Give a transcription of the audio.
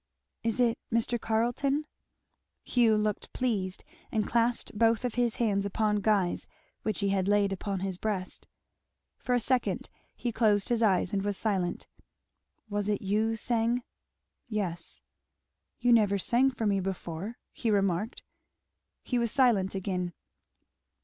"Is it Mr. Carleton?" Hugh looked pleased, and clasped both of his hands upon Guy's which he laid upon his breast. For a second he closed his eyes and was silent. "Was it you sang?" "Yes." "You never sang for me before," he remarked. He was silent again.